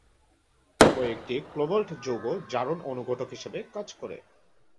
কয়েকটি কোবাল্ট যৌগ জারণ অনুঘটক হিসেবে কাজ করে।